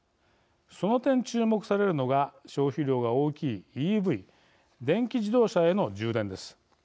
その点、注目されるのが消費量が大きいＥＶ＝電気自動車への充電です。